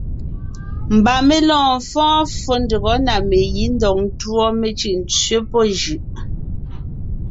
Mbà mé lɔɔn fɔ́ɔn ffó ndÿɔgɔ́ na megǐ ńdɔg ńtuɔ, mé cʉ́ʼ ńtsẅé pɔ́ jʉʼ.